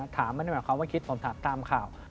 ถามไม่ได้หมายความว่าคิดผมถามตามข่าว